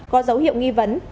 có dấu hiệu nghi vấn